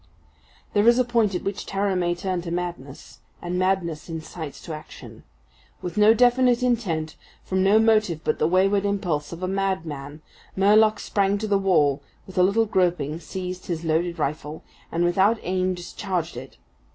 There is a point at which terror may turn to madness; and madness incites to action. With no definite intent, from no motive but the wayward impulse of a madman, Murlock sprang to the wall, with a little groping seized his loaded rifle, and without aim discharged it.